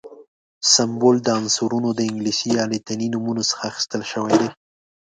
سمبول د عنصرونو د انګلیسي یا لاتیني نومونو څخه اخیستل شوی دی.